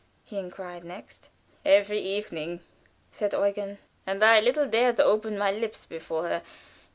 he inquired next. "Every evening," said Eugen. "And I little dare open my lips before her.